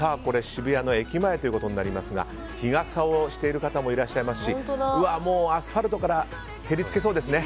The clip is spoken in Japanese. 渋谷の駅前になりますが日傘をさしている方もいらっしゃいますしもう、アスファルトから照り付けそうですね。